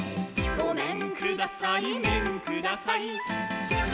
「ごめんください、めんください！」